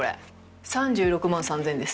３６万３０００円です。